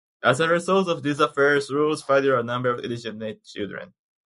As a result of these affairs, Rouse fathered a number of illegitimate children.